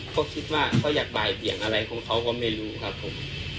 ก็คิดว่าเขาอยากบ่ายเบี่ยงอะไรของเขาก็ไม่รู้ครับผม